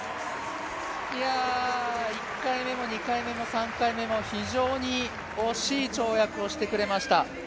１回目も２回目も３回目も非常に惜しい跳躍を見せてくれました。